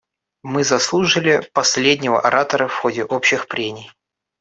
Мы заслушали последнего оратора в ходе общих прений.